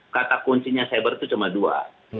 kunci cyber itu cuma dua